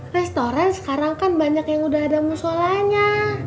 restoran sekarang kan banyak yang udah ada mau sholahnya